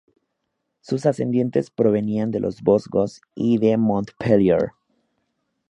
Sus ascendientes provenían de los Vosgos y de Montpellier.